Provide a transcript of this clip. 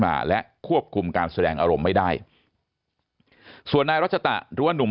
มาและควบคุมการแสดงอารมณ์ไม่ได้ส่วนนายรัชตะหรือว่านุ่ม